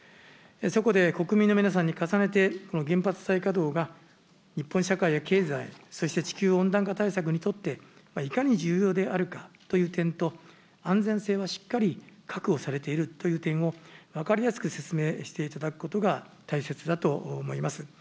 そこで国民の皆さんに重ねて、この原発再稼働が、日本社会や経済、そして地球温暖化対策にとっていかに重要であるかという点と、安全性はしっかり確保されているという点を分かりやすく説明していただくことが大切だと思います。